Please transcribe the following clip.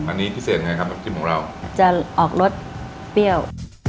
อันนี้พิเศษยังไงครับน้ำจิ้มของเราจะออกรสเปรี้ยว